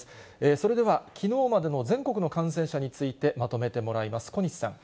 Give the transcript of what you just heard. それでは、きのうまでの全国の感染者についてまとめてもらいます。